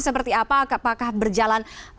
seperti apakah berjalan